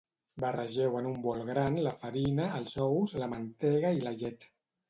Barregeu en un bol gran la farina, els ous, la mantega i la llet.